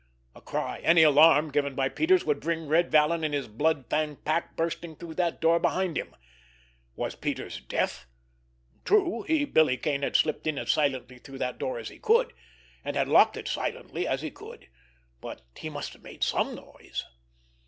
A cry, any alarm given by Peters, would bring Red Vallon and his blood fanged pack bursting through that door behind him. Was Peters deaf? True, he, Billy Kane, had slipped as silently through the door as he could, and had locked it as silently as he could, but he must have made some noise!